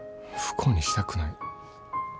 不幸にしたくない。